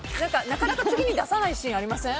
なかなか次に出さないシーンありません？